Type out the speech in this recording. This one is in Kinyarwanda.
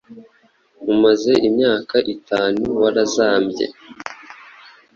umaze imyaka itanu warazambye.